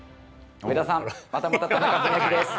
上田さん、またまた田中史朗です。